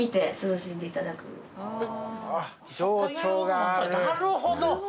なるほど。